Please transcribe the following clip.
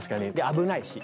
危ないし。